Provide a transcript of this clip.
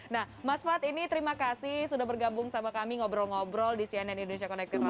nah mas fad ini terima kasih sudah bergabung sama kami ngobrol ngobrol di cnn indonesia connected